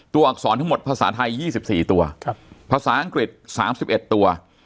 อักษรทั้งหมดภาษาไทย๒๔ตัวภาษาอังกฤษ๓๑ตัว